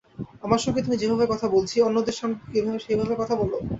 আমার সঙ্গে তুমি যেভাবে কথা বলছি, অন্যদের সঙ্গেও কি সেইভাবে কথা বল।